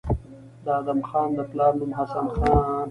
د ادم خان د پلار نوم حسن خان